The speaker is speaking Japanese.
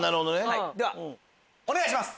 ではお願いします。